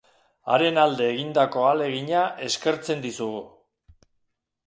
Haren alde egindako ahalegina eskertzen dizugu.